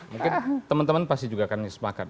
mungkin teman teman pasti juga akan sepakat